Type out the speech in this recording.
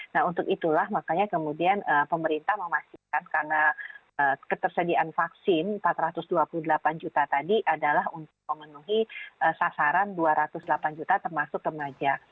nah untuk itulah makanya kemudian pemerintah memastikan karena ketersediaan vaksin empat ratus dua puluh delapan juta tadi adalah untuk memenuhi sasaran dua ratus delapan juta termasuk remaja